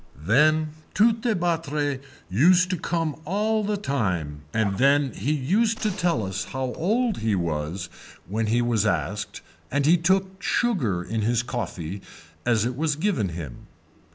Then Tourtebattre used to come all the time and then he used to tell us how old he was when he was asked and he took sugar in his coffee as it was given to him.